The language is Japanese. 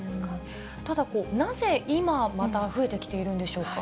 ただこう、なぜまた今、増えてきているんでしょうか。